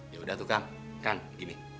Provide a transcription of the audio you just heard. yaudah tuh kang kang gini